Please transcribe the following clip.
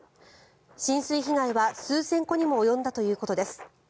浸水被害は数千戸にも及んだということです。